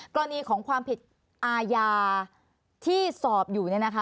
พร้อมอาจปฏิบัติที่สอบอยู่